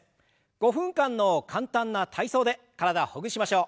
５分間の簡単な体操で体をほぐしましょう。